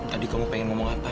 tadi kamu pengen ngomong apa